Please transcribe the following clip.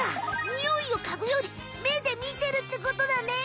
ニオイをかぐより目で見てるってことだね！